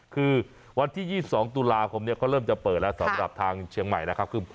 คือวันที่๒๒ตุลาคมเขาเริ่มจะเปิดแล้วสำหรับทางเชียงใหม่นะครับ